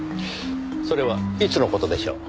それはいつの事でしょう？